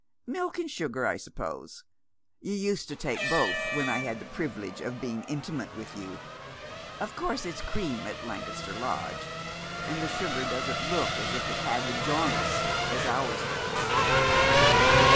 " Milk and sugar, I suppose? You used to take both when I had the privilege of being intimate with you — of course it's cream at Lancaster Lodge — and the sugar doesn't look as if it had the jaundice, as ours does."